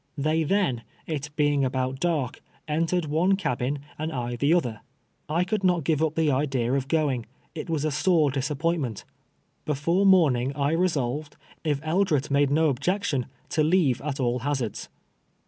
They then, it being about dark, entered one cabin and I the other. I could not give up the idea of going ; it was a sore disappointment. Before morning I resolved, if Eldret made no objection, to leave at all hazards.